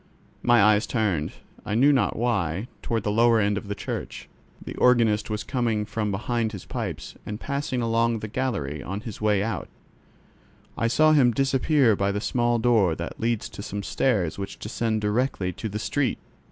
My eyes turned, I knew not why, toward the lower end of the church. The organist was coming from behind his pipes, and passing along the gallery on his way out, I saw him disappear by a small door that leads to some stairs which descend directly to the street.